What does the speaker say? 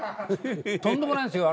とんでもないんすよ。